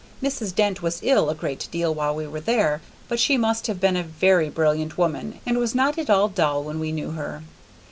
Mrs. Dent was ill a great deal while we were there, but she must have been a very brilliant woman, and was not at all dull when we knew her.